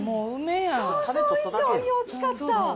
想像以上に大きかった。